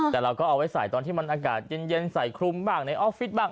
แต่เราก็เอาไว้ใส่ตอนที่มันอากาศเย็นใส่คลุมบ้างในออฟฟิศบ้าง